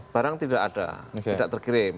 barang tidak ada tidak terkirim